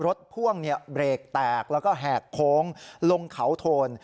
พ่วงเบรกแตกแล้วก็แหกโค้งลงเขาโทน